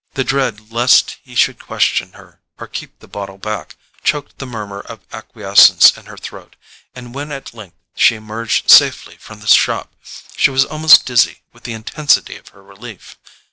The dread lest he should question her, or keep the bottle back, choked the murmur of acquiescence in her throat; and when at length she emerged safely from the shop she was almost dizzy with the intensity of her relief.